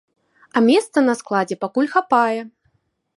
А месца на складзе пакуль хапае.